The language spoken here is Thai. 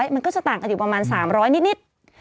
มันก็จะต่างกันอยู่ประมาณ๓๐๐นิด